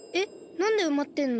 なんでうまってんの？